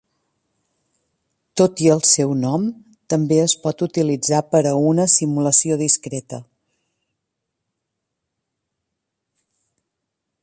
Tot i el seu nom, també es pot utilitzar per a una simulació discreta.